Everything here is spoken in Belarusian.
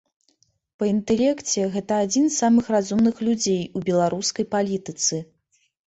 Па інтэлекце гэта адзін з самых разумных людзей у беларускай палітыцы.